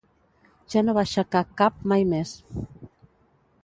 Ja no va aixecar cap mai més.